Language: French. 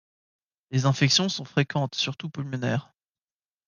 Les infections sont fréquentes surtout pulmonaires.